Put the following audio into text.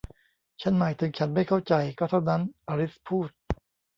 ฉันหมายถึงฉันไม่เข้าใจ ก็เท่านั้น อลิซพูด